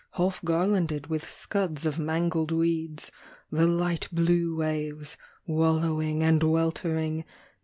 Half garlanded with scuds of mangled weeds, The light blue waves, wallowing and weltering.